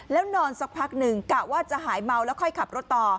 แล้วนอนสักพักหนึ่งกะว่าจะหายเมาแล้วค่อยขับรถต่อ